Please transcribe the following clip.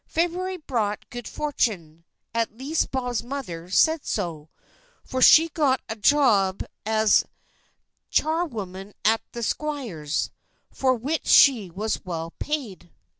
February brought good fortune at least Bob's mother said so, for she got a job as charwoman at the squire's, for which she was well paid.